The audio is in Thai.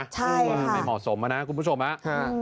ใช่ค่ะคือว่าไม่เหมาะสมแล้วนะคุณผู้ชมนะค่ะค่ะ